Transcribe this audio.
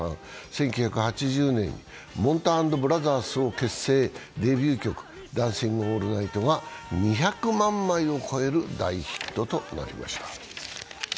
１９８０年、もんた＆ブラザーズを結成デビュー曲「ダンシング・オールナイト」が２００万枚を超える大ヒットとなりました。